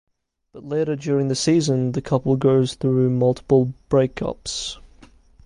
But later during the season the couple goes through multiple breakups.